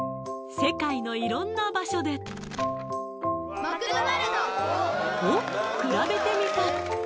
世界の色んな場所でをくらべてみた